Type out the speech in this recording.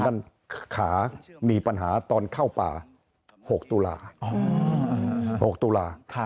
มันขามีปัญหาตอนเข้าป่า๖ตุลา๖ตุลา